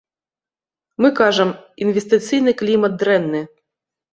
Мы кажам, інвестыцыйны клімат дрэнны.